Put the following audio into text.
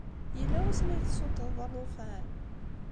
Yella wasmi ay tessuṭṭḍeḍ alufan?